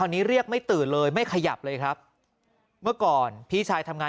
ตอนนี้เรียกไม่ตื่นเลยไม่ขยับเลยครับเมื่อก่อนพี่ชายทำงาน